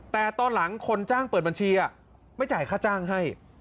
แต่ตอนหลังคนจ้างเปิดบัญชีไม่จ่ายค่าจ้างให้